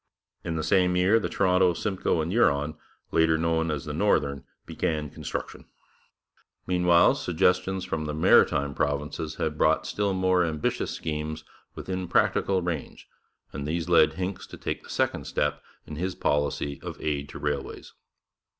In the same year the Toronto, Simcoe and Huron, later known as the Northern, began construction. Meanwhile suggestions from the Maritime Provinces had brought still more ambitious schemes within practical range, and these led Hincks to take the second step in his policy of aid to railways.